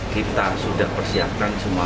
kita sudah persiapkan semua